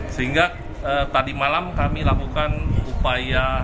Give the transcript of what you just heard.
sehingga tadi malam kami lakukan upaya